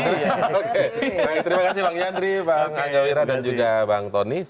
terima kasih bang yandri bang angga wira dan juga bang tony